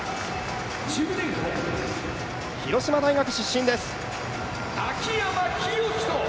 広島大学出身です。